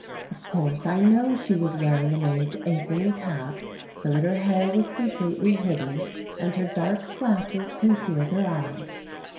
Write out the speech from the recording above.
"Of course, I know she was wearing a maid's apron and cap so that her hair was completely hidden, and her dark glasses concealed her eyes.